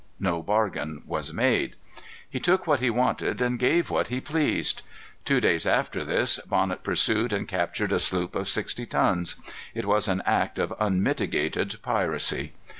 No bargain was made. He took what he wanted, and gave what he pleased. Two days after this, Bonnet pursued and captured a sloop of sixty tons. It was an act of unmitigated piracy.